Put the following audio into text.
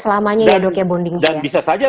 selamanya ya dok ya bonding dan bisa saja